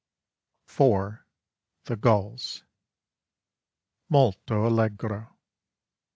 (4) THE GULLS _Molto Allegro.